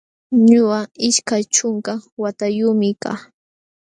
Ñuqa ishkay ćhunka watayuqmi kaa